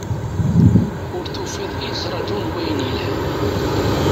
Ur tufiḍ i yettraju n wayen yelhan